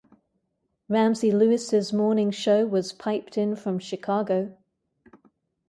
Ramsey Lewis' morning show was piped in from Chicago.